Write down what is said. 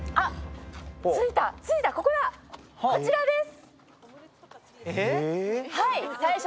着いた、ここだ、こちらです！